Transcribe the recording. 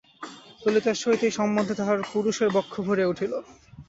ললিতার সহিত এই সম্বন্ধে তাহার পুরুষের বক্ষ ভরিয়া উঠিল।